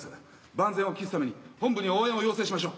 万全を期すために本部に応援を要請しましょ。